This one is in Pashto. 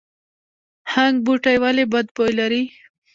هنګ بوټی ولې بد بوی لري؟